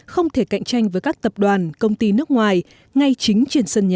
không thể cạnh tranh với các tập đoàn công ty nước ngoài ngay chính trên sân nhà